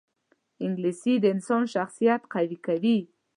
انګلیسي د انسان شخصیت قوي کوي